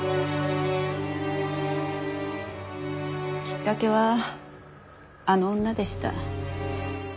きっかけはあの女でした。